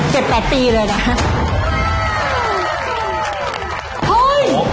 เจ็บแปทปีเลยนะครับ